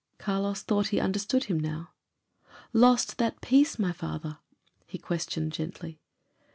Carlos thought he understood him now. "Lost that peace, my father?" he questioned gently.